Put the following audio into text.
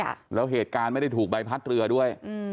ค่ะแล้วเหตุการณ์ไม่ได้ถูกใบพัดเรือด้วยอืม